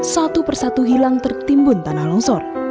satu persatu hilang tertimbun tanah longsor